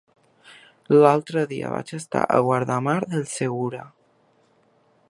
L'altre dia vaig estar a Guardamar del Segura.